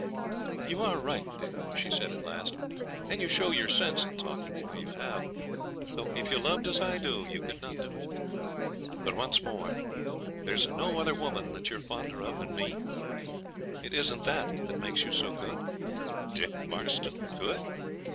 'You are right, Dick,' she said at last, 'and you show your sense in talking the way you have; though, if you loved as I do, you could not do it. But, once more, there's no other woman that you're fonder of than me? It isn't that that makes you so good? Dick Marston good!'